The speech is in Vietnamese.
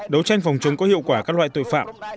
đấu tranh phòng chống có hiệu quả các loại tội phạm